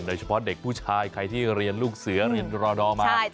โดยเฉพาะเด็กผู้ชายใครที่เรียนลูกเสือเรียนรอดอร์มา